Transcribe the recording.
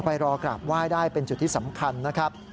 รอกราบไหว้ได้เป็นจุดที่สำคัญนะครับ